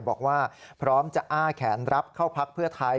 บอกว่าพร้อมจะอ้าแขนรับเข้าพักเพื่อไทย